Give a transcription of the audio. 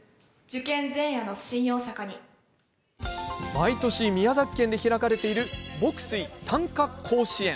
毎年、宮崎県で開かれている牧水・短歌甲子園。